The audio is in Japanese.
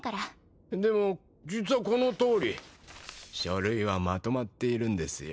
でも実はこのとおり書類はまとまっているんですよ。